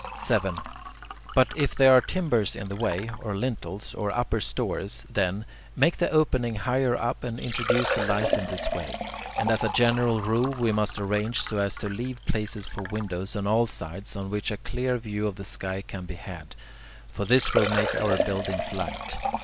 7. But if there are timbers in the way, or lintels, or upper stories, then, make the opening higher up and introduce the light in this way. And as a general rule, we must arrange so as to leave places for windows on all sides on which a clear view of the sky can be had, for this will make our buildings light.